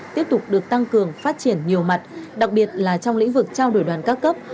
tiếp tục được tăng cường phát triển nhiều mặt đặc biệt là trong lĩnh vực trao đổi đoàn các cấp